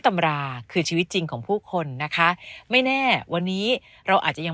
ตำราคือชีวิตจริงของผู้คนนะคะไม่แน่วันนี้เราอาจจะยัง